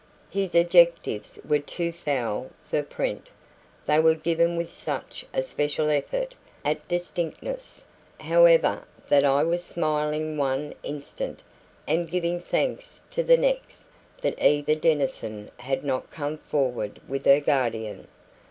His adjectives were too foul for print; they were given with such a special effort at distinctness, however, that I was smiling one instant, and giving thanks the next that Eva Denison had not come forward with her guardian.